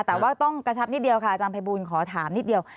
แต่ว่าต้องกระชับนิดเดียวค่ะอาจารย์ภัยบูลขอถามนิดเดียว